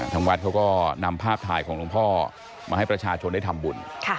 ทางวัดเขาก็นำภาพถ่ายของหลวงพ่อมาให้ประชาชนได้ทำบุญ